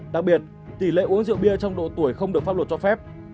đặc biệt tỷ lệ uống rượu bia trong độ tuổi không được pháp luật cho phép